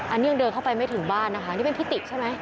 อันนี้ยังเดินเข้าไปไม่ถึงบ้านนะคะนี่เป็นพิติกใช่ไหม